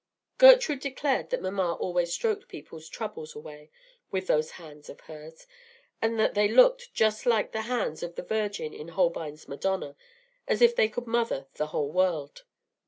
Gertrude declared that mamma always stroked people's trouble away with those hands of hers, and that they looked just like the hands of the Virgin in Holbein's Madonna, as if they could mother the whole world.